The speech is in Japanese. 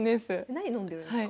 何飲んでるんですか？